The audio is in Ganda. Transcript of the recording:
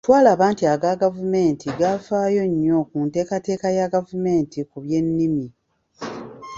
Twalaba nti aga gavumenti gafaayo nnyo ku nteekateeka ya gavumenti ku by’ennimi.